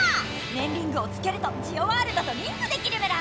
ねんリングをつけるとジオワールドとリンクできるメラ！